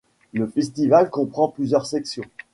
Le festival comprend plusieurs sections.